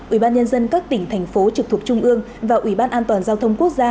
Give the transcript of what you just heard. ủy ban nhân dân các tỉnh thành phố trực thuộc trung ương và ủy ban an toàn giao thông quốc gia